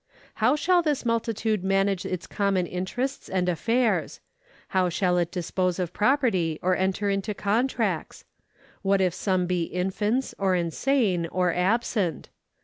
How shall this multitude manage its common interests and affairs? How shall it dispose of property or enter into contracts ? What if some be infants, or insane, or absent